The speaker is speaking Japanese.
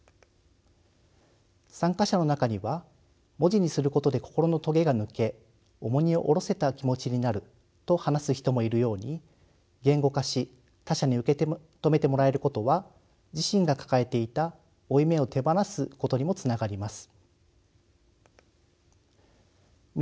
参加者の中には文字にすることで心のトゲが抜け重荷を下ろせた気持ちになると話す人もいるように言語化し他者に受け止めてもらえることは自身が抱えていた負い目を手放すことにもつながります。